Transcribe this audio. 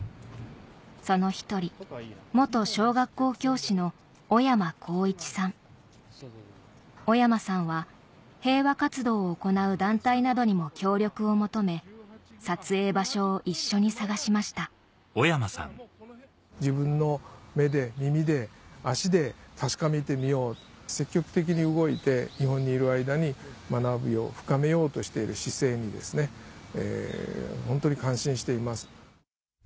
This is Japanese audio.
その１人小学校教師の小山さんは平和活動を行う団体などにも協力を求め撮影場所を一緒に探しました自分の目で耳で足で確かめてみようって積極的に動いて日本にいる間に学びを深めようとしている姿勢にホントに感心しています。